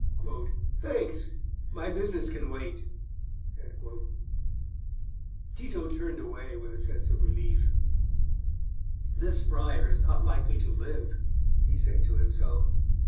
"Thanks; my business can wait." Tito turned away with a sense of relief. "This friar is not likely to live," he said to himself.